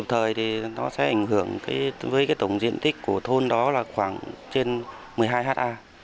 cho thấy sự lãng phí về tiền bạc của nhà nước